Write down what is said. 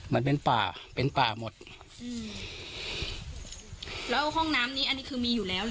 มันเป็นป่าเป็นป่าหมดอืมแล้วห้องน้ำนี้อันนี้คือมีอยู่แล้ว